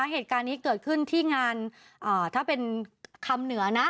เหตุการณ์นี้เกิดขึ้นที่งานถ้าเป็นคำเหนือนะ